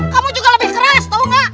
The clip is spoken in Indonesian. kamu juga lebih keras tuh gak